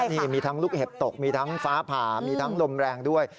นี่มีทั้งลูกเห็บตกมีทั้งฟ้าผ่ามีทั้งลมแรงด้วย